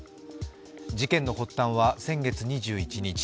事件の発端は先月２１日。